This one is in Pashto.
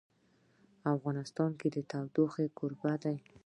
افغانستان د تودوخه کوربه دی.